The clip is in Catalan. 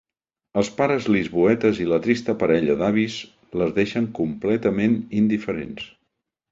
Els pares lisboetes i la trista parella d'avis les deixen completament indiferents.